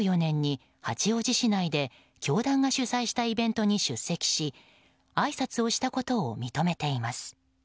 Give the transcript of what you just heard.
２０１４年に八王子市内で教団が主催したイベントに出席しあいさつをしたことを認めています。